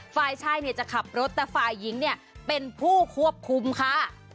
ฝ่ายชายจะขับรถแต่ฝ่ายหญิงเป็นผู้ควบคุมค่ะ